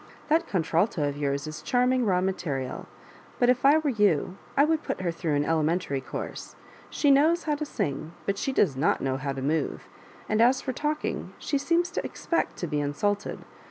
That contralto of yours is charming raw material ; but il* I were you, I would put her through an ele mentary course. She knows how to sing, but she does not know how to move; and as for talking, she seems to expect to be insulted.